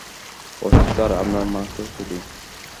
Ashok sir, আপনার মাকে চুদি!